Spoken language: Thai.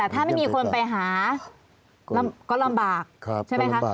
ถ้าไม่มีคนไปหาก็ลำบากใช่ไหมคะ